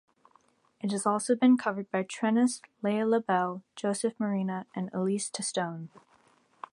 It has also been covered by Trenyce, Leah LaBelle, Joseph Murena, and Elise Testone.